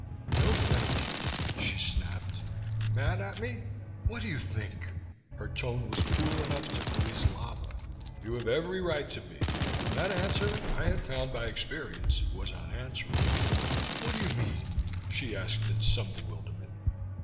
"No thank you!" she snapped. "Mad at me?" "What do you think?" Her tone was cool enough to freeze lava. "You have every right to be!" That answer, I had found by experience, was unanswerable. "What do you mean?" she asked in some bewilderment.